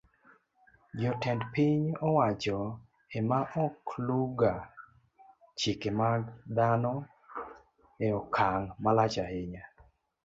Jotend piny owacho e ma ok luwga chike mag dhano e okang' malach ahinya.